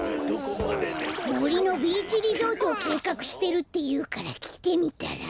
もりのビーチリゾートをけいかくしてるっていうからきてみたら。